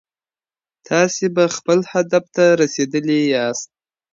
تاسي به خپل هدف ته رسېدلي ياست.